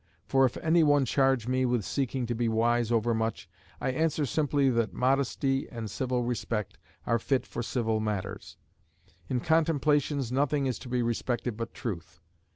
For if any one charge me with seeking to be wise over much, I answer simply that modesty and civil respect are fit for civil matters; in contemplations nothing is to be respected but Truth.